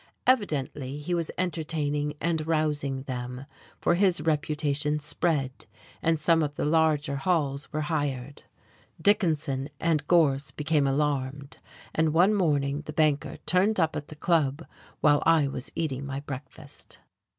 Evidently he was entertaining and rousing them, for his reputation spread, and some of the larger halls were hired. Dickinson and Gorse became alarmed, and one morning the banker turned up at the Club while I was eating my breakfast.